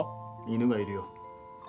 犬がいるよ。